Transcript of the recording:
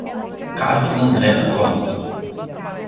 Carlos André da Costa